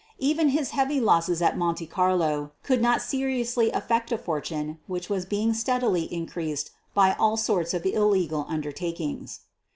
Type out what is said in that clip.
Even his heavy losses at Monte Carlo could not seriously affect a fortune which was being stead ily increased by all sorts of illegal undertakings.